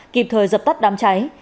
kịp thời dập tắt đám cháy